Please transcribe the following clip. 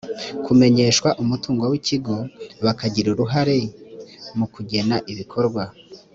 kumenyeshwa umutungo w ikigo bakagira uruhare mu kugena ibikorwa